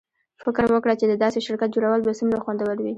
فکر وکړه چې د داسې شرکت جوړول به څومره خوندور وي